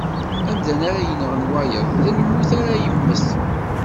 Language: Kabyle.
Amdan ara yenɣen wayeḍ, d lmut ara yemmet.